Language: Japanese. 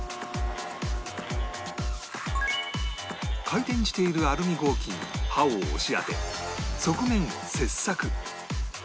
回転しているアルミ合金に刃を押し当て側面を切削